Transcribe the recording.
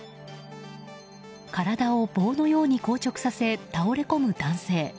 体を棒のように硬直させ倒れ込む男性。